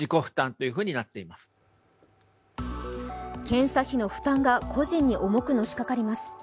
検査費の負担が個人に重くのしかかります。